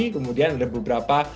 kemudian ada beberapa